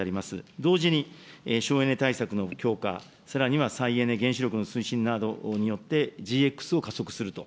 同時に省エネ対策の強化、さらには再エネ、原子力の推進などによって、ＧＸを加速すると。